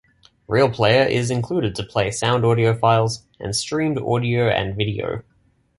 RealPlayer is included to play sound audio files and streamed audio and video.